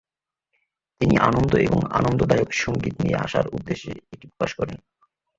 তিনি "আনন্দ" এবং "আনন্দদায়ক" সঙ্গীত নিয়ে আসার উদ্দেশ্যে এটি প্রকাশ করেন।